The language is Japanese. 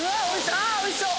あおいしそう。